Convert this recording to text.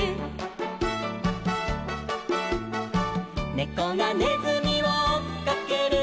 「ねこがねずみをおっかける」